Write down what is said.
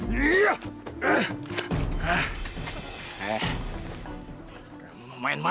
kamu mau bermain ya